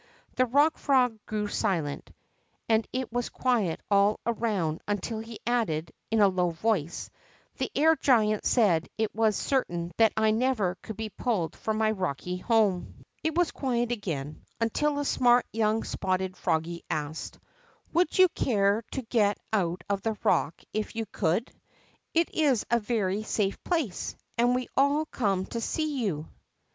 The Bock Frog grew silent, and it was quiet all around until he added, in a low voice : The air giant said it was certain that I never could he pulled from my rocky home." 48 THE bock frog It was quiet again, until a smart young spotted froggie asked: Would you care to get out of the rock if you could ? It is a very safe place, and we all come to see you.